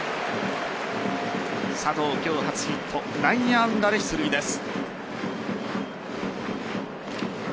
佐藤、今日の初ヒット内野安打で出塁です。